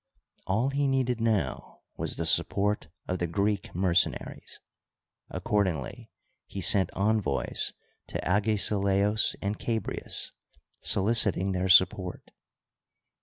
All he needed now was the support of tne Greek mercenaries. Accordingly, he sent envoys to Agesilaos and Chabrias soliciting their support.